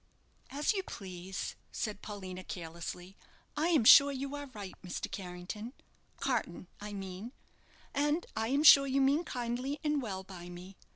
"As you please," said Paulina, carelessly. "I am sure you are right, Mr. Carrington Carton, I mean, and I am sure you mean kindly and well by me.